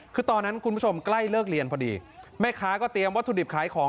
คือตอนนั้นคุณผู้ชมใกล้เลิกเรียนพอดีแม่ค้าก็เตรียมวัตถุดิบขายของ